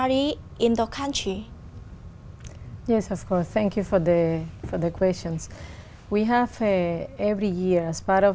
đi cùng với raúl castro